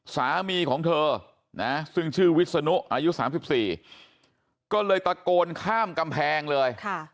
สามีของเธอนะซึ่งชื่อวิศนุอายุ๓๔ก็เลยตะโกนข้ามกำแพงเลย